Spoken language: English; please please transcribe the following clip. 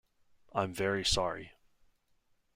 I'm very sorry.